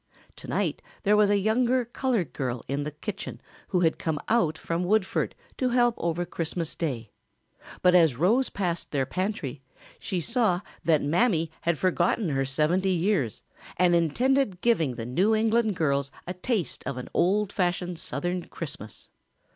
To night there was a younger colored girl in the kitchen who had come out from Woodford to help over Christmas day, but as Rose passed their pantry she saw that Mammy had forgotten her seventy years and intended giving the New England girls a taste of an old fashioned Southern Christmas.